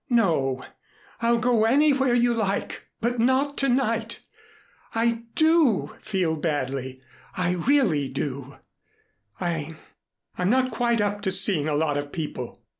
"No I'll go anywhere you like, but not to night. I do feel badly. I really do. I I'm not quite up to seeing a lot of people.